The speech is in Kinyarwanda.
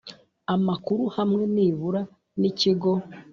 amakuru hamwe nibura n ikigo